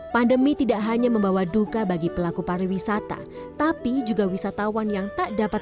pandemi tidak hanya membawa duka bagi pelaku pariwisata tapi juga wisatawan yang tak dapat